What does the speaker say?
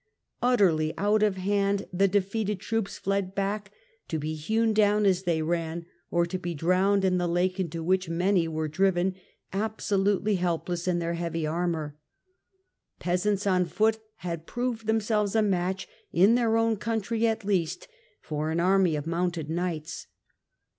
Utterly out of hand the defeated troops fled back, to be hewn down as they ran, or to be drowned in the lake into which many were driven, absolutely helpless in their heavy armour. Peasants on foot had proved them selves a match, in their own country at least, for an army of mounted knights.